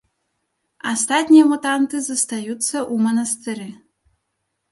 Астатнія мутанты застаюцца ў манастыры.